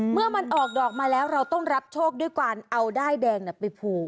เมื่อมันออกดอกมาแล้วเราต้องรับโชคด้วยการเอาด้ายแดงไปผูก